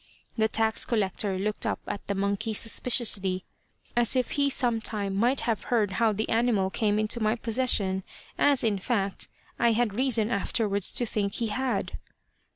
The tax collector looked up at the monkey suspiciously, as if he sometime might have heard how the animal came into my possession, as, in fact, I had reason afterwards to think he had.